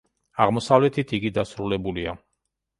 აღმოსავლეთით იგი დასრულებულია.